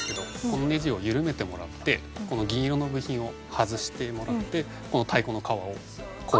このネジを緩めてもらってこの銀色の部品を外してもらってこの太鼓の皮を交換して。